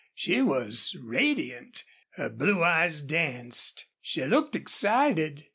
She was radiant. Her blue eyes danced. She looked excited.